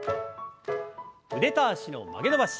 腕と脚の曲げ伸ばし。